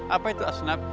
apa itu asnaf